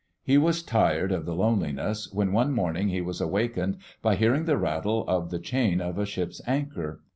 He was tired of the loneliness, when one morning he was awakened by hearing the rattle of the chain of a ship^s anchor.